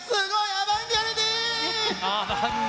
アバンギャルディ。